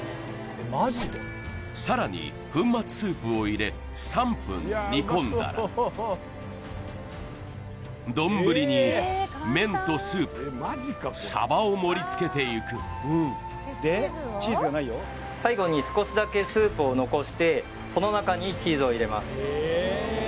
さらに粉末スープを入れ３分煮込んだら丼に麺とスープサバを盛りつけていく最後に少しだけスープを残してその中にチーズを入れます